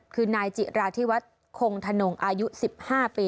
คือนายจิราธิวัฒน์คงธนงอายุ๑๕ปี